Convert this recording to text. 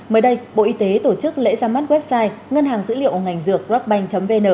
mới đây bộ y tế tổ chức lễ ra mắt website ngân hàng dữ liệu ngành dược grabbank